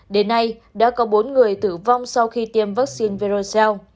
đến nay đã có bốn người tử vong sau khi tiêm vaccine